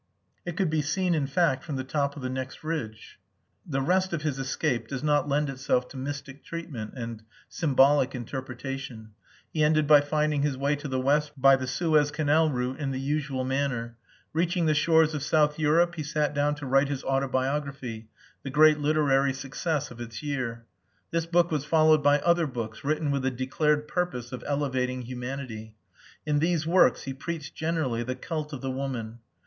It could be seen, in fact, from the top of the next ridge.... The rest of his escape does not lend itself to mystic treatment and symbolic interpretation. He ended by finding his way to the West by the Suez Canal route in the usual manner. Reaching the shores of South Europe he sat down to write his autobiography the great literary success of its year. This book was followed by other books written with the declared purpose of elevating humanity. In these works he preached generally the cult of the woman.